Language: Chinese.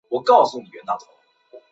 因此我果然被说是音色了呢。